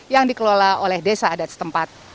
yang dikelola oleh desa adat setempat